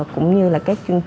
cũng như là các chương trình